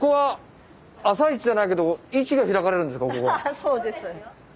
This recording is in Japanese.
そうです。